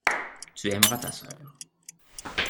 Tu aimeras ta sœur.